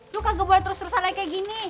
lu kagak boleh terus terusan aja kaya gini